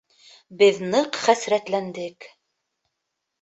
Беҙ ныҡ хәсрәтләндек.